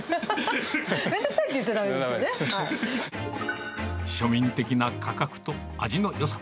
めんどくさいって言っちゃだ庶民的な価格と味のよさ。